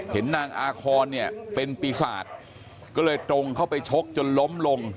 นางอาคอนเนี่ยเป็นปีศาจก็เลยตรงเข้าไปชกจนล้มลง